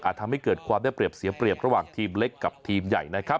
ทำให้เกิดความได้เปรียบเสียเปรียบระหว่างทีมเล็กกับทีมใหญ่นะครับ